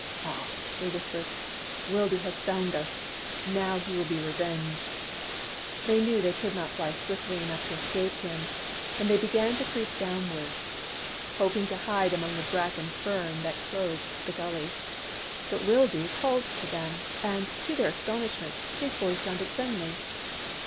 " Kwah !" they whispered. " Wildoo has found us. Now he will be revenged." They knew they could not fly swiftly enough to escape him, and they began to creep downwards, hoping to hide among the bracken fern that clothed the gully. But Wildoo called to them, and, to their astonish ment, his voice sounded friendly.